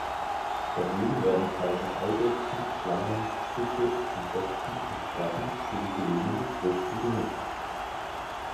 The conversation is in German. Daneben werden kleine Eidechsen, Schlangen, Fische, Insekten und Krabben sowie gelegentlich Früchte genutzt.